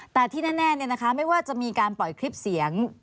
แต่ที่แน่ไม่ว่าจะมีการปล่อยคลิปเสียง